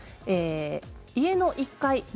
家の１階物